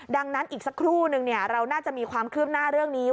ดังนั้นอีกสักครู่นึงเราน่าจะมีความคืบหน้าเรื่องนี้